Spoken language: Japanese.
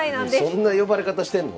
そんな呼ばれ方してんの？